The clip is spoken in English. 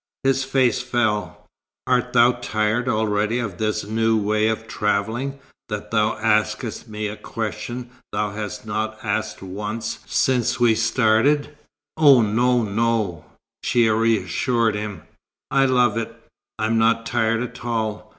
His face fell. "Art thou tired already of this new way of travelling, that thou askest me a question thou hast not once asked since we started?" "Oh no, no," she reassured him. "I love it. I am not tired at all.